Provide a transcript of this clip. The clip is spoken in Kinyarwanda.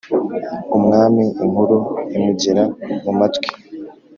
umwami inkuru imugera mumatwi